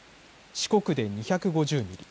四国で２５０ミリ